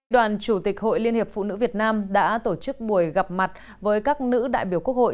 đoàn chủ tịch hội liên hiệp phụ nữ việt nam đã tổ chức buổi gặp mặt với các nữ đại biểu quốc hội